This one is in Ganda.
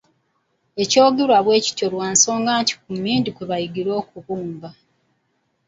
Ekyogerwa bwe kityo lwa nsonga nti emmindi kwe bayigira okubumba.